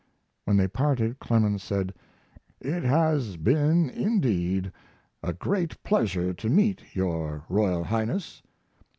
When they parted Clemens said: "It has been, indeed, a great pleasure to meet your Royal Highness."